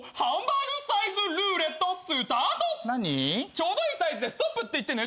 ちょうどいいサイズでストップって言ってね。